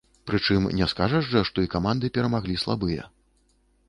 Прычым не скажаш жа, што і каманды перамаглі слабыя.